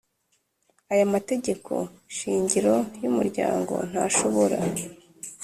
Aya mategeko shingiro y umuryango ntashobora